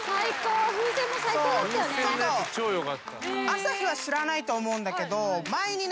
朝日は知らないと思うんだけど前にね